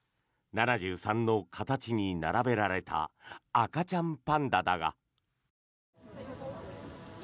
７３の形に並べられた赤ちゃんパンダだが。